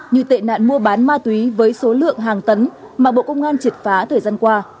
như tệ nạn mua bán ma túy với số lượng hàng tấn mà bộ công an triệt phá thời gian qua